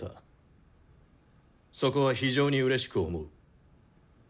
そこは非常にうれしく思う。